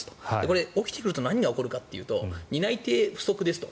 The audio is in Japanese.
起きてくると何が起こるかというと担い手不足ですと。